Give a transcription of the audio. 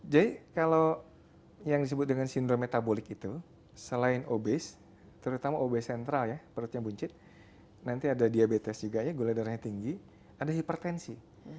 jadi kalau yang disebut dengan sindrom metabolik itu selain obes terutama obes sentral ya perutnya buncit nanti ada diabetes juga ya guledarnya tinggi ada hipertensi